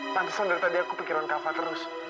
tentu saja dari tadi aku pikiran kava terus